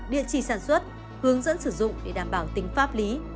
địa chỉ sản xuất hướng dẫn sử dụng để đảm bảo tính pháp lý